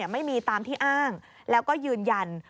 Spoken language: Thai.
ไม่มีตามที่อ้างแล้วก็ยืนยัน